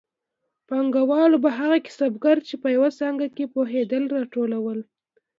پانګوالو به هغه کسبګر چې په یوه څانګه کې پوهېدل راټولول